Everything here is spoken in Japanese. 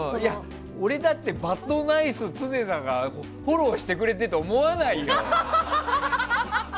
俺だってバッドナイス常田がフォローしてくれてるとは思わないよ！